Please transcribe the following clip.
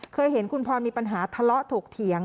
เคยเห็นคุณพรมีปัญหาทะเลาะถกเถียง